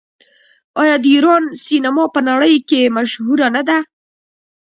آیا د ایران سینما په نړۍ کې مشهوره نه ده؟